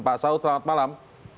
pak saud selamat malam